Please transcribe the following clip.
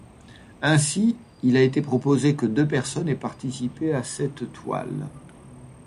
Ainsi, il a été proposé que deux personnes aient participé à cette toile.